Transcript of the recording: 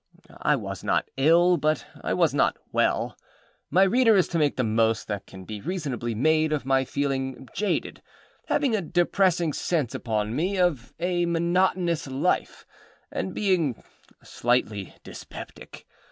I was not ill, but I was not well. My reader is to make the most that can be reasonably made of my feeling jaded, having a depressing sense upon me of a monotonous life, and being âslightly dyspeptic.